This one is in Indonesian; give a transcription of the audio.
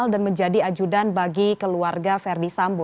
dan menjadi ajudan bagi keluarga verdi sambo